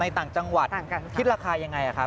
ต่างจังหวัดคิดราคายังไงครับ